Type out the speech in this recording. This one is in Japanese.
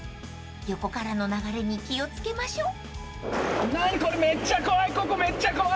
［横からの流れに気を付けましょう］